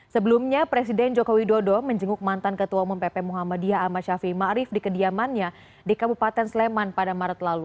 sebelumnya presiden jokowi dodo menjenguk mantan ketua umum pp muhammadiyah ahmad syafi ma arif di kediamannya di kabupaten sleman pada maret lalu